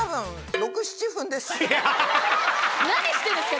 何してるんですか？